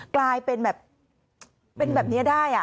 กลายเป็นแบบนี้ได้